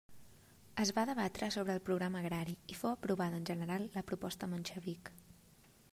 Es va debatre sobre el programa agrari, i fou aprovada en general la proposta menxevic.